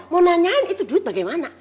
mau nanyain itu duit bagaimana